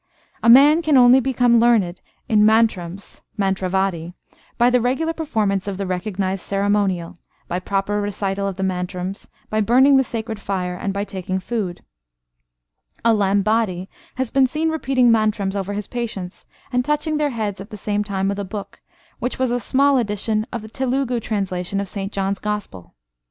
A man can only become learned in mantrams (mantravadi) by the regular performance of the recognised ceremonial, by proper recital of the mantrams, by burning the sacred fire, and by taking food. A Lambadi has been seen repeating mantrams over his patients, and touching their heads at the same time with a book, which was a small edition of the Telugu translation of St John's gospel.